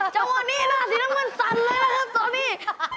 จังหวะนี่หน้าสีน้ำมือสั่นเลยแล้วครับตอนนี้